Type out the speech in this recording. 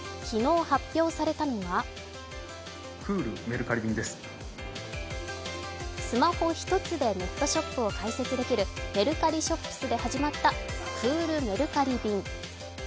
昨日発表されたのはスマホ一つでネットショップを開設できるメルカリＳｈｏｐｓで始まったクールメルカリ便。